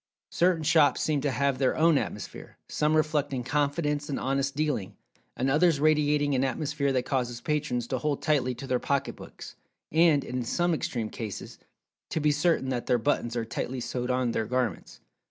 Certain shops seem to have their own atmosphere—some reflecting confidence and honest dealing, and others radiating an atmosphere that causes patrons to hold tightly to their pocketbooks, and, in some extreme cases, to be certain that their buttons are tightly sewed on their garments.